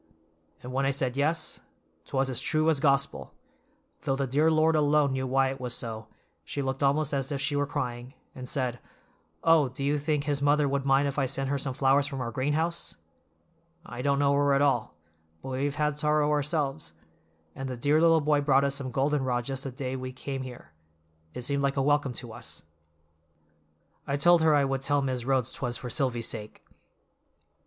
'" "And when I said yes, 'twas as true as Gospel, though the dear Lord alone knew why it was so, she looked almost as if she were crying, and said, 'Oh, do you think his mother would mind if I sent her some flowers from our greenhouse? I don't know her at all, but we have had sorrow ourselves; and the dear little boy brought us some golden rod just the day we came here—it seemed like a welcome to us." "I told her I would tell Mis' Rhodes 'twas for Silvy's sake."